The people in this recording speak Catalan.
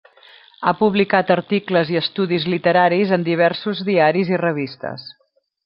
Ha publicat articles i estudis literaris en diversos diaris i revistes.